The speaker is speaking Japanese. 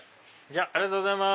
ありがとうございます！